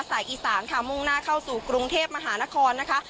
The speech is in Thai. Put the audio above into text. สายอีสานค่ะมุ่งหน้าเข้าสู่กรุงเทพมหานครนะคะ